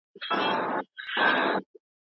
مځکه د بزګر له خوا کرل کيږي.